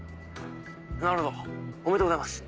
なるほどおめでとうございます。